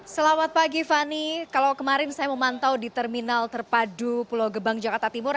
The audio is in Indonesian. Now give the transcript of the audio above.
selamat pagi fani kalau kemarin saya memantau di terminal terpadu pulau gebang jakarta timur